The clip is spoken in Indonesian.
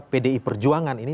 pdi perjuangan ini